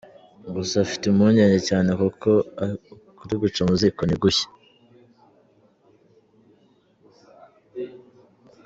Gusa afite impungenge cyane kuko ukuri guca mu ziko ntigushye.